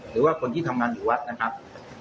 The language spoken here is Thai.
หรือว่าคนที่ทำงานอยู่วัดนะครับ